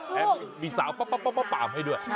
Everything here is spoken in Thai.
แทบมีสาวปากให้ด้วย